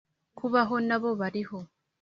kubaho nabo bariho